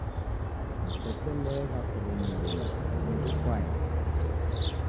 Msekelegha kurumiria Mlungu okwaeni.